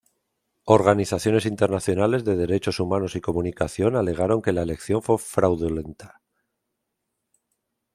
Organizaciones internacionales de derechos humanos y comunicación alegaron que la elección fue fraudulenta.